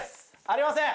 ありません。